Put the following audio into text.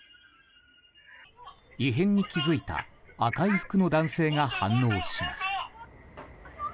異変に気付いた赤い服の男性が反応します。